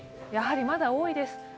やはりまだ多いです。